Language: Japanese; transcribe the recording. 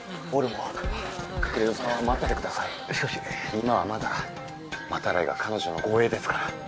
今はまだ真鱈井が彼女の護衛ですから。